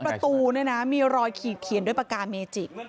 ประตูเนี่ยนะมีรอยขีดเขียนด้วยปากกาเมจิก